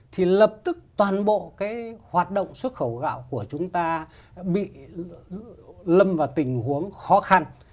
thì lập tức toàn bộ hoạt động xuất khẩu gạo của chúng ta bị lâm vào tình huống khó khăn